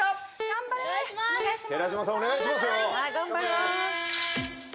頑張りまーす！